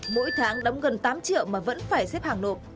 mỗi tháng đóng gần tám triệu mà vẫn phải xếp hàng nộp